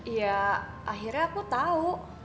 ya akhirnya aku tahu